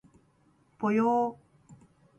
ぽよー